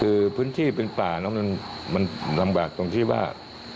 คือพื้นที่เป็นป่าเนอะมันลำบากตรงที่ว่า